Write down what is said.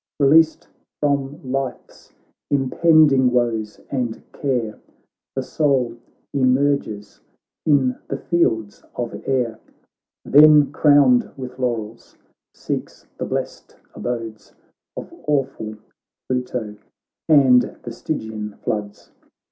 Released from life's impending woes and care, The soul immerges in the fields of air : Then, crowned with laurels, seeks the blest abodes Of awful Pluto and the Stygian floods.